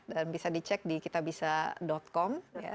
dan bisa dicek di kitabisa com